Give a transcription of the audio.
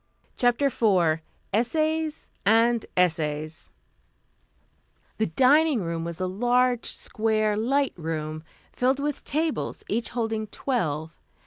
CHAPTER IV ESSAYS AND ESSAYS The dining room was a large, square, light room, filled with tables, each holding twelve.